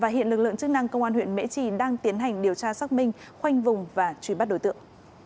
hiện lực lượng chức năng công an huyện mễ trì đang tiến hành điều tra xác minh khoanh vùng và truy bắt đối tượng